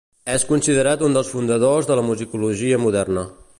És considerat un dels fundadors de la musicologia moderna.